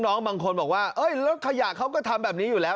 บางคนบอกว่ารถขยะเขาก็ทำแบบนี้อยู่แล้ว